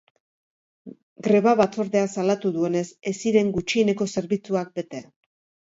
Greba batzordeak salatu duenez, ez ziren gutxieneko zerbitzuak bete.